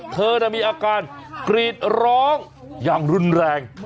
เธอมีอาการกรีดร้องอย่างรุนแรง